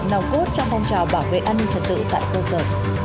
nòng cốt trong phong trào bảo vệ an ninh trật tự tại cơ sở